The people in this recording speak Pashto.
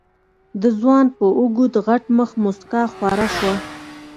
د ځوان په اوږد غټ مخ موسکا خوره شوه.